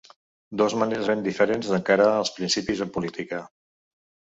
Dos maneres ben diferents d'encarar els principis en política.